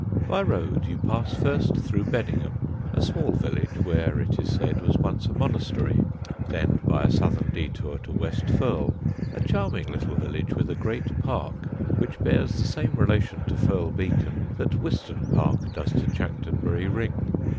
By road, you pass first through Beddingham, a small village, where, it is said, was once a monastery; then, by a southern détour, to West Firle, a charming little village with a great park, which bears the same relation to Firle Beacon that Wiston Park does to Chanctonbury Ring.